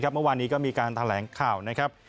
เมื่อวานนี้ก็มีการแถลงข่าวนะครับ